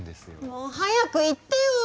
もう早く言ってよ！